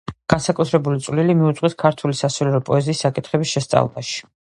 განსაკუთრებული წვლილი მიუძღვის ქართული სასულიერო პოეზიის საკითხების შესწავლაში.